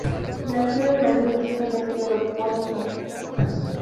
Nació en Mani, en el Peloponeso.